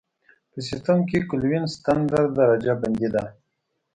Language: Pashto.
په سیسټم کې کلوین ستندرده درجه بندي ده.